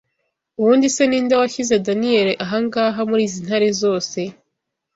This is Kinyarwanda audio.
Ubundi se ni nde washyize Daniyeli aha ngaha muri izi ntare zose?